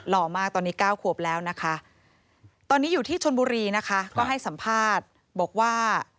หล่อมากตอนนี้๙ขวบแล้วนะคะตอนนี้อยู่ที่ชนบุรีนะคะก็ให้สัมภาษณ์บอกว่า